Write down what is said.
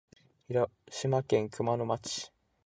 広島県熊野町